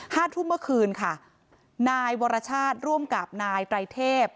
ห้าทุ่มเมื่อคืนค่ะนายวรชาติร่วมกับนายไตรเทพ